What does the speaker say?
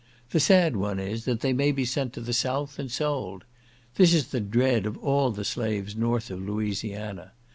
The sad one is, that they may be sent to the south and sold. This is the dread of all the slaves north of Louisiana.